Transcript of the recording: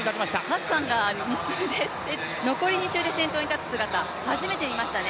ハッサンが残り２周で先頭に立つ姿、初めて見ましたね。